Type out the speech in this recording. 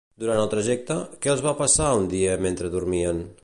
Durant el trajecte, què els va passar un dia mentre dormien?